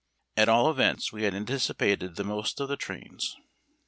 At all events, we had anticipated the most of the trains.